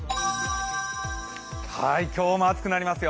今日も暑くなりますよ。